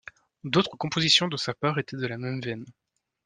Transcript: D'autres compositions de sa part étaient de la même veine.